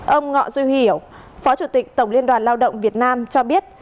ông ngọ duy hiểu phó chủ tịch tổng liên đoàn lao động việt nam cho biết